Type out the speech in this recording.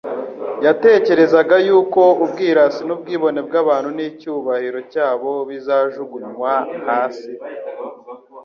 Yatekerezaga yuko ubwirasi n'ubwibone bw'abantu n'icyubahiro cyabo bizajugvnywa hasi.